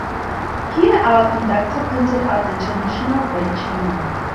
Here our conductor pointed out the traditional bedchamber.